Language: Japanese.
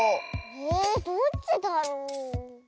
えどっちだろう？